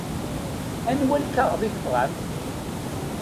Anwa lkaɣeḍ i tebɣamt?